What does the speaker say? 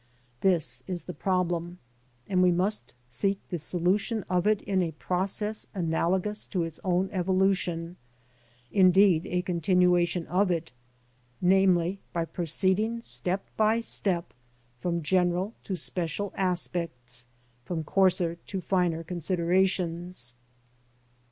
This is the problem ; and we must seek the solution of it in a process analogous to its own evolution, ŌĆö indeed, a continuation of it, ŌĆö namely, by proceeding step by step from general to special aspects, from coarser to finer considerations.